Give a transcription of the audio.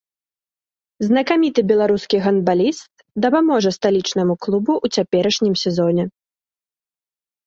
Знакаміты беларускі гандбаліст дапаможа сталічнаму клубу ў цяперашнім сезоне.